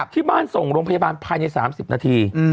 ที่บ้านส่งโรงพยาบาลภายใน๓๐นาที